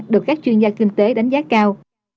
được các chuyên gia kinh tế đánh giá cao